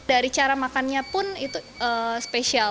dari cara makannya pun itu spesial